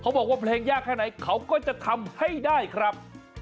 บอกว่าเพลงยากแค่ไหนเขาก็จะทำให้ได้ครับ